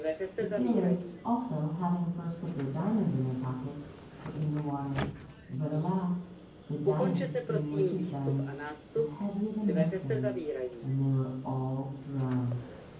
The sailors also, having hrst put their diamonds in their pockets, were in the water ; but alas ! the diamonds, being witches' dia monds, were heavier than millstones, and they were all drowned.